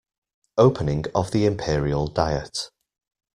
Opening of the Imperial diet.